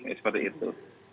iya seperti itu